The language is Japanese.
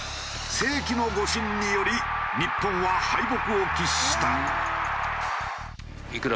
世紀の誤審により日本は敗北を喫した。